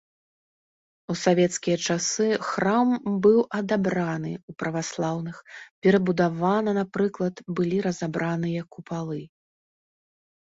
У савецкія часы храм быў адабраны ў праваслаўных, перабудавана, напрыклад, былі разабраныя купалы.